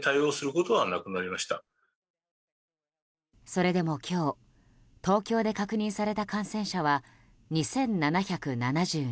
それでも今日東京で確認された感染者は２７７２人。